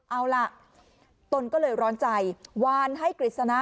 เอาล่ะตนก็เลยร้อนใจวานให้กฤษณะ